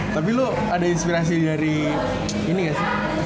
tapi lo ada inspirasi dari ini gak sih